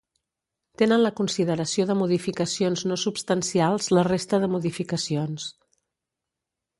Tenen la consideració de modificacions no substancials la resta de modificacions.